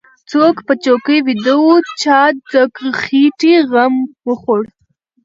څوک په چوکۍ ويده و چا د خېټې غم خوړ.